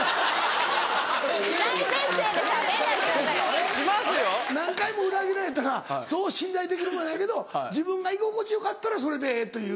・しない前提でしゃべんないで・・しますよ・何回も裏切られたらそう信頼できるもんやないけど自分が居心地よかったらそれでええという。